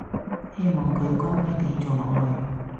希望佢乖乖哋做落去